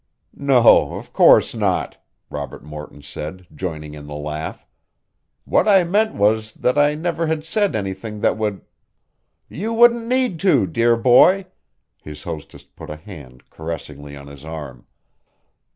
"No, of course not," Robert Morton said, joining in the laugh. "What I meant was that I never had said anything that would " "You wouldn't need to, dear boy." His hostess put a hand caressingly on his arm.